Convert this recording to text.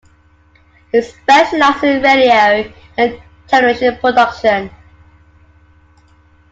He specialized in radio and television production.